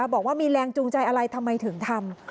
บอกว่ามีแรงจูงใจอะไรทำไมถึงทำ